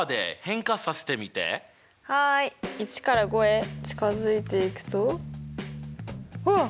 １から５へ近づいていくとわっ！